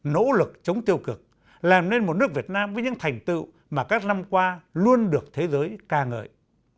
nỗ lực chống tiêu cực làm nên một nước việt nam với những thành tựu mà các năm qua luôn được thế giới ca ngợi